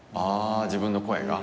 あ自分の声が？